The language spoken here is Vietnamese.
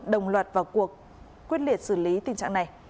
đồng loạt vào cuộc quyết liệt xử lý tình trạng này